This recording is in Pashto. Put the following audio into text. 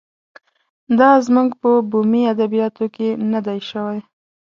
دا زموږ په بومي ادبیاتو کې نه دی شوی.